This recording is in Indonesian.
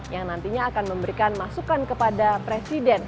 yang nantinya akan memberikan masukan kepada presiden